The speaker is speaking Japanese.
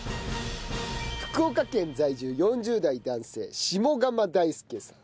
福岡県在住４０代男性下釜大助さん。